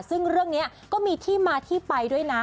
ซึ่งเรื่องนี้ก็มีที่มาที่ไปด้วยนะ